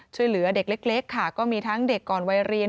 ช่วยเหลือเด็กเล็กค่ะก็มีทั้งเด็กก่อนวัยเรียน